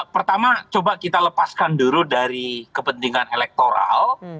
pertama coba kita lepaskan dulu dari kepentingan elektoral